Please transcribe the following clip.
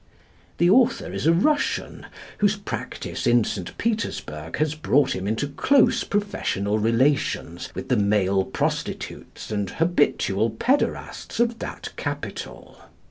The author is a Russian, whose practice in St. Petersburg has brought him into close professional relations with the male prostitutes and habitual pæderasts of that capital.